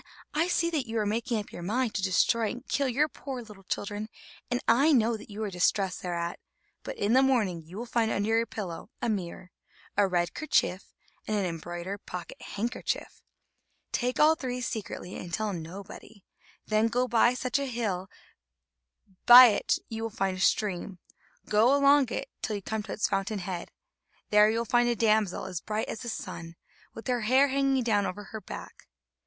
I see that you are making up your mind to destroy and to kill your poor little children, and I know that you are distressed there at; but in the morning you will find under your pillow a mirror, a red kerchief, and an embroidered pocket handkerchief; take all three secretly and tell nobody; then go to such a hill; by it you will find a stream; go along it till you come to its fountain head; there you will find a damsel as bright as the sun, with her hair hanging down over her back.